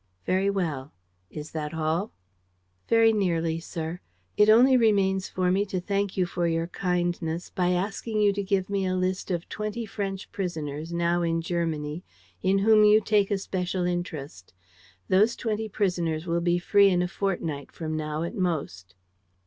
"Very well. Is that all?" "Very nearly, sir. It only remains for me to thank you for your kindness by asking you to give me a list of twenty French prisoners, now in Germany, in whom you take a special interest. Those twenty prisoners will be free in a fortnight from now at most."